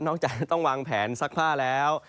จะต้องวางแผนซักผ้าแล้ว